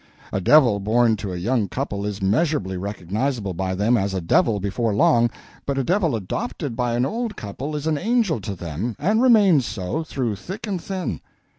A devil born to a young couple is measurably recognizable by them as a devil before long, but a devil adopted by an old couple is an angel to them, and remains so, through thick and thin.